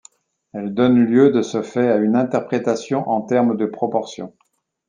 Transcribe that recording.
Elle donne lieu de ce fait à une interprétation en termes de proportions.